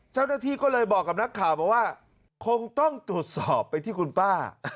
เจ้าหน้าที่ก็เลยบอกกับนักข่าวบอกว่าคงต้องตรวจสอบไปที่คุณป้า